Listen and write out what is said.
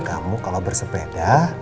kamu kalau bersepeda